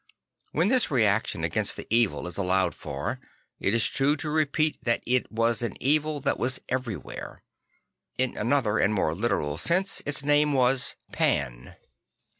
When this reaction against the evil is allowed for, it is true to repeat that it was an evil that was everywhere. In another and more literal sense its name was Pan.